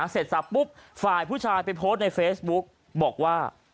เสร็จสับปุ๊บฝ่ายผู้ชายไปโพสต์ในเฟซบุ๊กบอกว่า